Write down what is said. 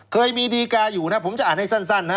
เคยมีดีกาอยู่นะผมจะอ่านให้สั้นนะฮะ